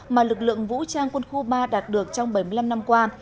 mà lực lượng vũ trang quân khu ba đạt được trong bảy mươi năm năm qua